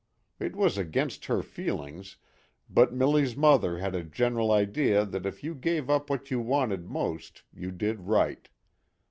It was against her feelings, but Milly's mother had a general idea that if you gave up what you wanted most you did right.